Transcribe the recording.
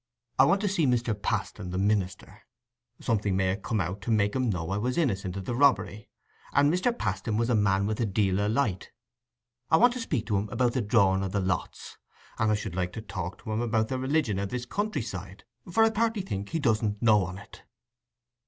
I want to see Mr. Paston, the minister: something may ha' come out to make 'em know I was innicent o' the robbery. And Mr. Paston was a man with a deal o' light—I want to speak to him about the drawing o' the lots. And I should like to talk to him about the religion o' this country side, for I partly think he doesn't know on it."